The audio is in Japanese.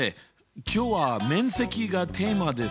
今日は面積がテーマですよ。